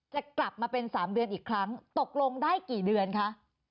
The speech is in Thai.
จะกลับมาเป็น๓เดือนอีกครั้งตกลงได้กี่เดือนคะ